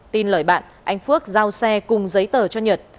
tin lời bạn anh phước giao xe cùng giấy tờ cho nhật